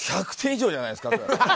１００点以上じゃないですか。